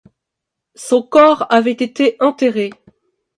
Son corps avait été enterré.